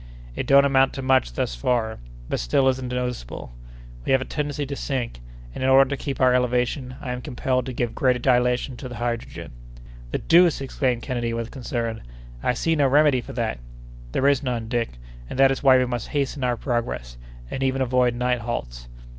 It don't amount to much thus far, but still it is noticeable. We have a tendency to sink, and, in order to keep our elevation, I am compelled to give greater dilation to the hydrogen." "The deuce!" exclaimed Kennedy with concern; "I see no remedy for that." "There is none, Dick, and that is why we must hasten our progress, and even avoid night halts."